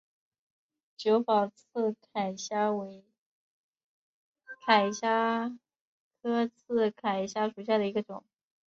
久保刺铠虾为铠甲虾科刺铠虾属下的一个种。